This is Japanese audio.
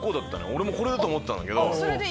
俺もこれだと思ってたんだけど。